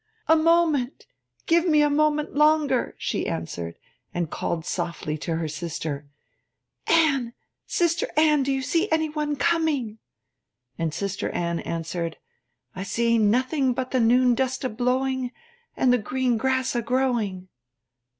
'A moment give me a moment longer!' she answered, and called softly to her sister: 'Anne, Sister Anne, do you see any one coming?' And Sister Anne answered: '_I see nothing but the noon dust a blowing, and the green grass a growing.